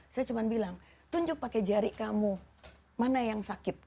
saya cuma bilang tunjuk pakai jari kamu mana yang sakit